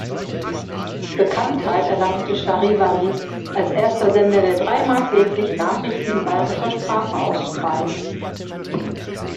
Bekanntheit erlangte Charivari als erster Sender, der dreimal täglich Nachrichten in bayerischer Sprache ausstrahlt.